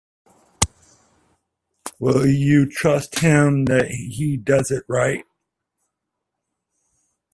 Will you trust him that he does it right?